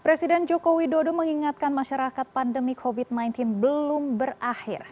presiden joko widodo mengingatkan masyarakat pandemi covid sembilan belas belum berakhir